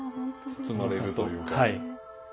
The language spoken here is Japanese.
包まれるというか。